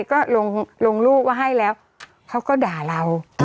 ก็ลงรูปว่าให้แล้วเขาก็ด่าเรา